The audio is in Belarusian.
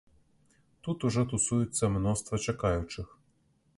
Тут ужо тусуецца мноства чакаючых.